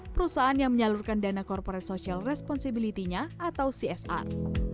perusahaan yang menyalurkan dana corporate social responsibility nya atau csr